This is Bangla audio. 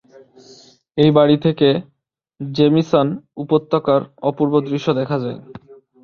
এই বাড়ি থেকে জেমিসন উপত্যকার অপূর্ব দৃশ্য দেখা যায়।